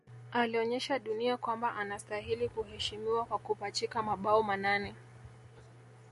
Alionyesha dunia kwamba anastahili kuheshimiwa kwa kupachika mabao manane